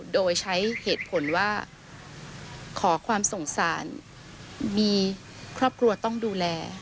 โดยใช้เหตุผลว่าขอความสงสารมีครอบครัวต้องดูแล